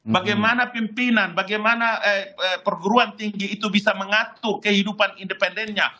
bagaimana pimpinan bagaimana perguruan tinggi itu bisa mengatur kehidupan independennya